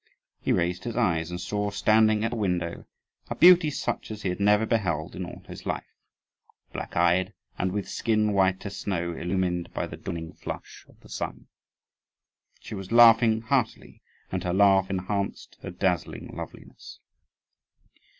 He raised his eyes and saw, standing at a window, a beauty such as he had never beheld in all his life, black eyed, and with skin white as snow illumined by the dawning flush of the sun. She was laughing heartily, and her laugh enhanced her dazzling loveliness.